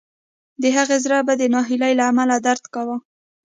د هغې زړه به د ناهیلۍ له امله درد کاوه